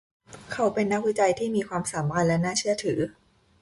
เขาเป็นนักวิจัยที่มีความสามารถและน่าเชื่อถือ